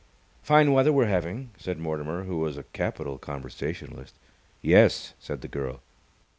"Fine weather we're having," said Mortimer, who was a capital conversationalist. "Yes," said the girl.